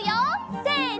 せの！